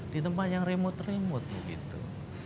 di tempat yang remote remote begitu